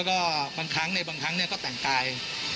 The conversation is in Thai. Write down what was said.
ก็บางครั้งเลยบางครั้งก็แต่งกาย